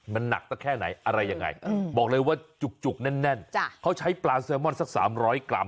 มันหนักสักแค่ไหนอะไรยังไงบอกเลยว่าจุกแน่นเขาใช้ปลาแซลมอนสัก๓๐๐กรัม